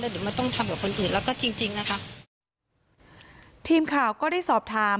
เดี๋ยวมันต้องทำกับคนอื่นแล้วก็จริงจริงนะคะทีมข่าวก็ได้สอบถาม